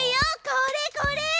これこれ！